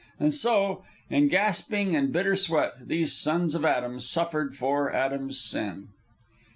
And so, in gasping and bitter sweat, these sons of Adam suffered for Adam's sin.